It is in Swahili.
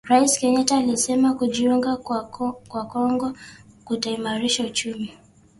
Rais Kenyatta alisema kujiunga kwa Kongo kutaimarisha uchumi